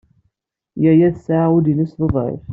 Jida tesɛa ul-nnes d uḍɛif.